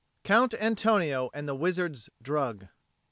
COUNT ANTONIO AND THE WIZARD'S DRUG.